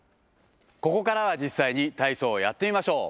ここからは実際に体操をやってみましょう。